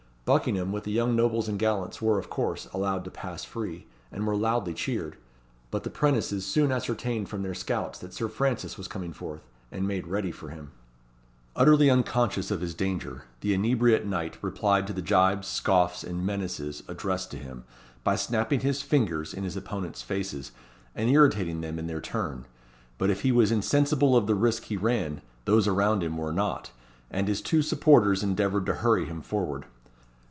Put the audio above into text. Buckingham, with the young nobles and gallants, were, of course, allowed to pass free, and were loudly cheered; but the 'prentices soon ascertained from their scouts that Sir Francis was coming forth, and made ready for him. Utterly unconscious of his danger, the inebriate knight replied to the gibes, scoffs, and menaces addressed to him, by snapping his fingers in his opponents' faces, and irritating them in their turn; but if he was insensible of the risk he ran, those around him were not, and his two supporters endeavoured to hurry him forward.